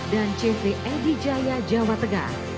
dan cv edi jaya jawa tegah